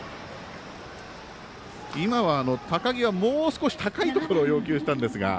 今は高木はもう少し高いところを要求したんですが。